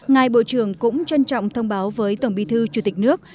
ngài bộ trưởng cũng trân trọng thông báo với tổng bí thư chủ tịch nước